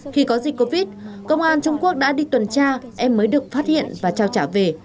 khi có dịch covid công an trung quốc đã đi tuần tra em mới được phát hiện và trao trả về